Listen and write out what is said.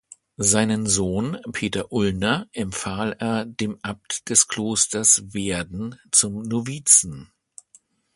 Seinen Sohn, Peter Ulner, empfahl er dem Abt des Klosters Werden zum Novizen.